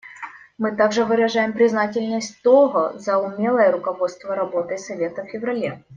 Мы также выражаем признательность Того за умелое руководство работой Совета в феврале.